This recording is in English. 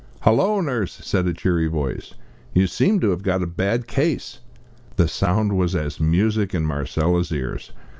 "Hullo, nurse!" said a cheery voice; "you seem to have got a bad case." The sound was as music in Marcella's ears.